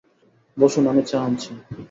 বসুন, আমি চা আনছি।